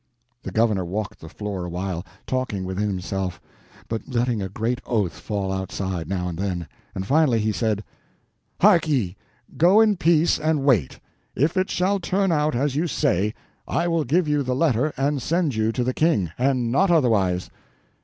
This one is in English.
The governor walked the floor awhile, talking within himself, but letting a great oath fall outside now and then; and finally he said: "Harkye! go in peace, and wait. If it shall turn out as you say, I will give you the letter and send you to the King, and not otherwise."